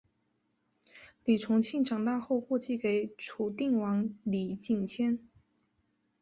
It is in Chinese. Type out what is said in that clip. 李从庆长大后过继给楚定王李景迁。